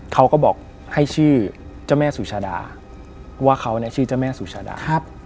เขาก็บอกให้ชื่อเจ้าแม่สุชาดาว่าเขาเนี่ยชื่อเจ้าแม่สุชาดา